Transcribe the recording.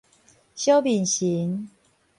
小面神